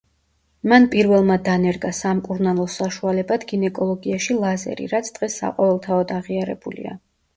მან პირველმა დანერგა სამკურნალო საშუალებად გინეკოლოგიაში ლაზერი, რაც დღეს საყოველთაოდ აღიარებულია.